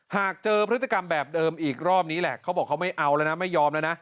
หากเจอพฤติกรรมแบบเดิมอีกรอบนี้แหละเขาบอกเขาไม่เอาแล้วนะไม่ยอมแล้วนะ